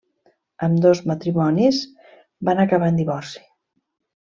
Ambdós matrimonis van acabar en divorci.